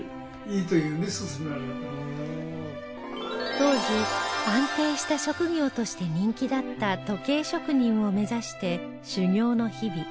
当時安定した職業として人気だった時計職人を目指して修業の日々